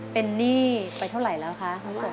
เป็นหนี้ไปเท่าไหร่แล้วคะ